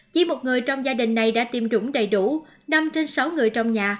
chỉ một người trong gia đình này đã tiêm chủng đầy đủ năm trên sáu người trong nhà